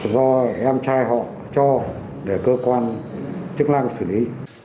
do em trai họ cho để cơ quan chức năng xử lý